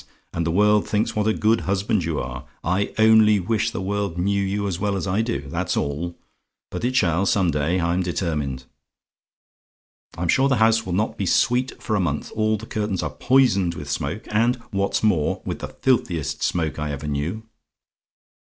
and the world thinks what a good husband you are! I only wish the world knew you as well as I do, that's all; but it shall, some day, I'm determined. "I'm sure the house will not be sweet for a month. All the curtains are poisoned with smoke; and what's more, with the filthiest smoke I ever knew.